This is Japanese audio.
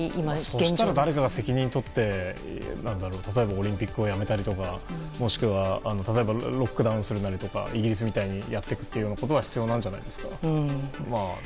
そしたら誰かが責任を取って例えばオリンピックをやめたりもしくは、ロックダウンするなりイギリスみたいにやっていくことが必要なんじゃないでしょうか。